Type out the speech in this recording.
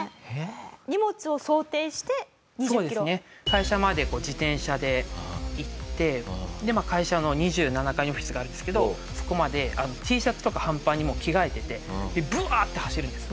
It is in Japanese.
会社まで自転車で行って会社の２７階にオフィスがあるんですけどそこまでＴシャツとか半パンにもう着替えててブワーッて走るんです